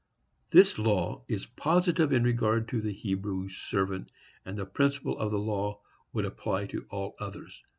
This law is positive in regard to the Hebrew servant, and the principle of the law would apply to all others.